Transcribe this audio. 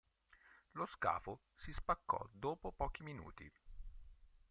Lo scafo si spaccò dopo pochi minuti.